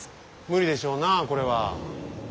無理でしょうなあこれは。